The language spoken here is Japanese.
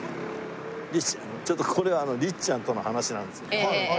ちょっとこれは律ちゃんとの話なんですけど。